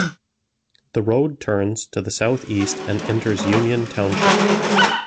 The road turns to the southeast and enters Union Township.